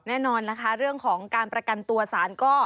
แน่นอนนะคะเรื่องของการประกันตัวสารก็